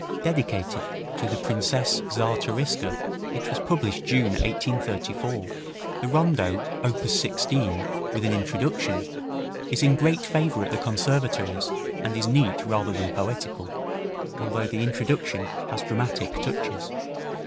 Dedicated to the Princesse Czartoryska, it was published June, 1834. The Rondo, op. 16, with an Introduction, is in great favor at the conservatories, and is neat rather than poetical, although the introduction has dramatic touches.